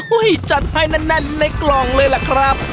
จัดให้แน่นในกล่องเลยล่ะครับ